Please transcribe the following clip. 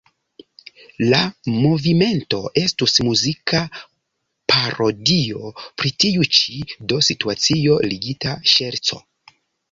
La movimento estus muzika parodio pri tiu ĉi, do situacio-ligita ŝerco.